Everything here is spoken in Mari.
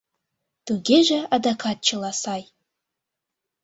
— Тугеже адакат чыла сай.